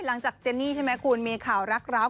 หลังจากเจนนี่พูดมีข่าวรักร้าม